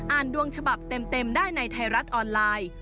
ดวงฉบับเต็มได้ในไทยรัฐออนไลน์